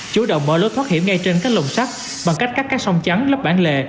chủ động mở lối thoát hiểm ngay trên các lồng sắt bằng cách cắt các sông trắng lấp bản lề